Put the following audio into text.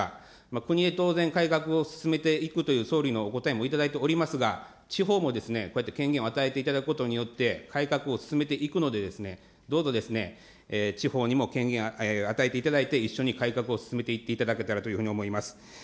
国に当然改革を進めていくという、総理のお答えもいただいておりますが、地方もこうやって権限を与えていただくことによって、改革を進めていくので、どうぞ地方にも権限を与えていただいて、一緒に改革を進めていっていただけたらというふうに思います。